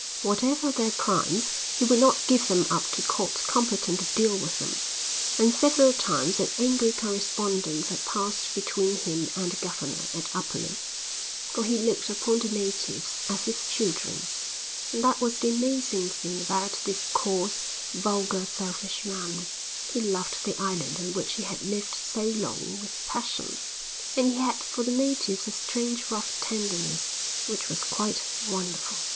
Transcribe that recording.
Whatever their crimes he would not give them up to courts competent to deal with them, and several times an angry correspondence had passed between him and the Governor at Upolu. For he looked upon the natives as his children. And that was the amazing thing about this coarse, vulgar, selfish man; he loved the island on which he had lived so long with passion, and he had for the natives a strange rough tenderness which was quite wonderful.